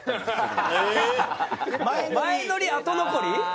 前乗り後残り？